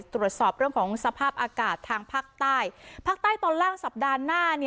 ตรวจสอบเรื่องของสภาพอากาศทางภาคใต้ภาคใต้ตอนล่างสัปดาห์หน้า